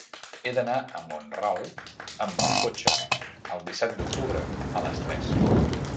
He d'anar a Mont-ral amb cotxe el disset d'octubre a les tres.